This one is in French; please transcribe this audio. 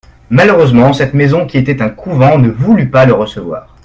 Malheureusement, cette maison qui était un couvent ne voulut pas le recevoir.